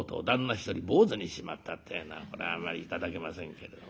一人坊主にしちまったってえのはこれはあまり頂けませんけれども。